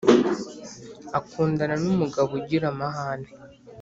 akundana numugabo ugira amahane